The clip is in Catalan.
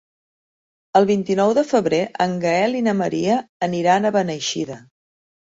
El vint-i-nou de febrer en Gaël i na Maria aniran a Beneixida.